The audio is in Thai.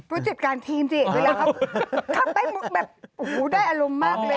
ผู้จัดการทีมสิเวลาเขาขับไปแบบโอ้โหได้อารมณ์มากเลย